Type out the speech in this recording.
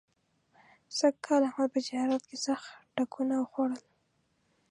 سږ کال احمد په تجارت کې سخت ټکونه وخوړل.